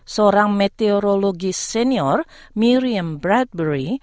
seorang meteorologi senior miriam bradbury